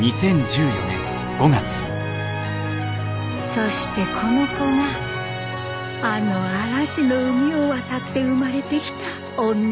そしてこの子があの嵐の海を渡って生まれてきた女の子です。